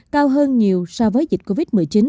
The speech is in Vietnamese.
cao hơn nhiều so với dịch covid một mươi chín